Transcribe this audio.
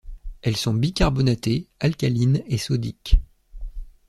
Elles sont bicarbonatées, alcalines et sodiques.